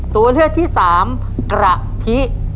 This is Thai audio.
ตัวเลือกที่๓กระทิ